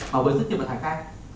mà với thức tiền bản thắng cao